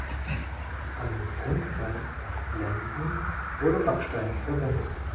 An Fenstern und Blenden wurde Backstein verwendet.